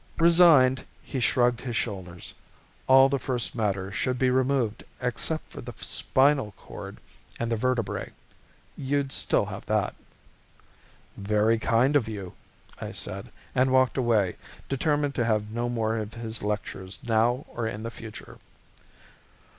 Resigned, he shrugged his shoulders. "All the first matter should be removed except for the spinal chord and the vertebrae. You'd still have that." "Very kind of you," I said, and walked away, determined to have no more of his lectures now or in the future.